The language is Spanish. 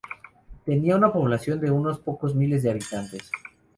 Tenía una población de unos pocos miles de habitantes.